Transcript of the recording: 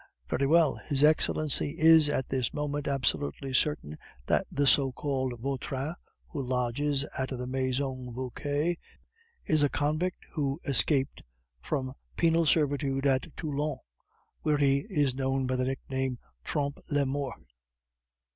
"Very well, his Excellency is at this moment absolutely certain that the so called Vautrin, who lodges at the Maison Vauquer, is a convict who escaped from penal servitude at Toulon, where he is known by the nickname Trompe la Mort."